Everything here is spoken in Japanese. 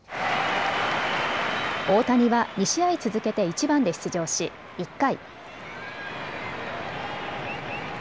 大谷は２試合続けて１番で出場し１回。